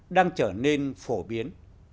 đang trở nên phổ biến